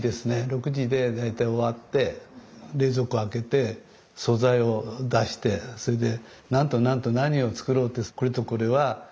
６時で大体終わって冷蔵庫開けて素材を出してそれで何と何と何を作ろうってこれとこれは私。